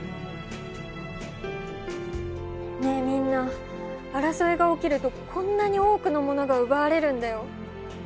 ねえみんな争いが起きるとこんなに多くのものが奪われるんだよ。